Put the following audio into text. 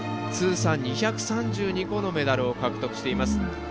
通算２３２個のメダルを獲得しています。